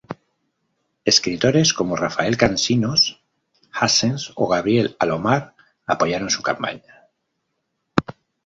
Escritores como Rafael Cansinos Assens o Gabriel Alomar apoyaron su campaña.